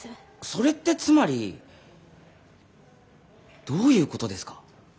それってつまりどういうことですか？